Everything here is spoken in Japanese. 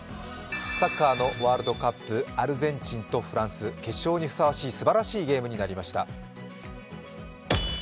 サッカーのワールドカップ、アルゼンチンとフランス、決勝にふさわしいすばらしいゲームになりました。